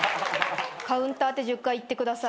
カウンターって１０回言ってください。